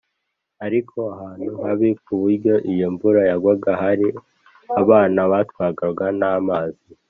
ariko ahantu habi ku buryo iyo imvura yagwaga hari abana batwarwaga n’amazi